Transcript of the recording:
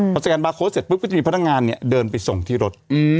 พอสแกนบาร์โค้ดเสร็จปุ๊บก็จะมีพนักงานเนี่ยเดินไปส่งที่รถ